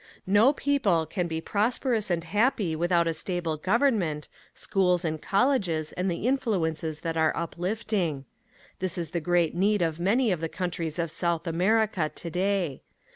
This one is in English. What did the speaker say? No people can be prosperous and happy without a stable government, schools and colleges and the influences that are uplifting. This is the great need of many of the countries of South America today.